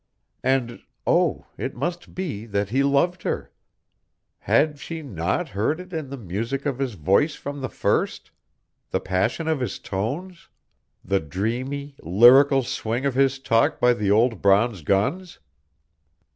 And, oh, it must be that he loved her! Had she not heard it in the music of his voice from the first? the passion of his tones? the dreamy, lyrical swing of his talk by the old bronze guns?